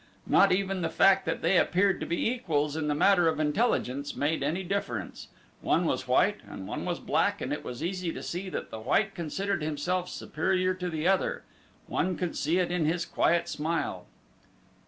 Not even the fact that they appeared to be equals in the matter of intelligence made any difference one was white and one was black, and it was easy to see that the white considered himself superior to the other one could see it in his quiet smile.